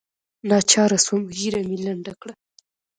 ناچاره سوم ږيره مې لنډه کړه.